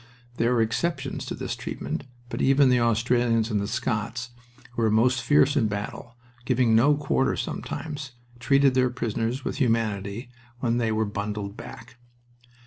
There were exceptions to this treatment, but even the Australians and the Scots, who were most fierce in battle, giving no quarter sometimes, treated their prisoners with humanity when they were bundled back.